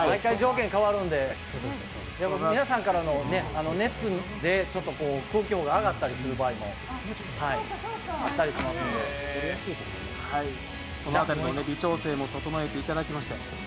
皆さんからの熱で空気砲が上がったする場合もあったりしますので、その辺りの微調整も整えていただきまして。